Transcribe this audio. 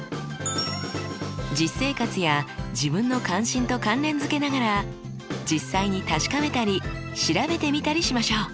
実生活や自分の関心と関連付けながら実際に確かめたり調べてみたりしましょう。